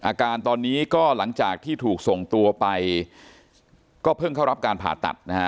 อาการตอนนี้ก็หลังจากที่ถูกส่งตัวไปก็เพิ่งเข้ารับการผ่าตัดนะฮะ